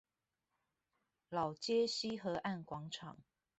老街溪河岸廣場